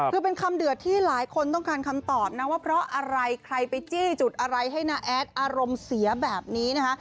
คือเป็นคำเดือดที่หลายคนต้องการคำตอบนะว่าเพราะอะไรใครไปจี้จุดอะไรให้น้าแอดอารมณ์เสียแบบนี้นะคะ